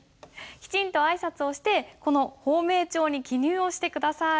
きちんと挨拶をしてこの芳名帳に記入をして下さい。